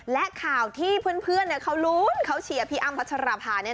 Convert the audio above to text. และข่าวที่เพื่อนเขาลุ้นเขาเชียร์พี่อ้ำพัชราภา